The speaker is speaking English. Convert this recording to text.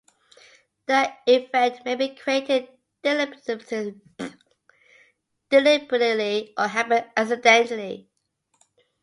The effect may be created deliberately, or happen accidentally.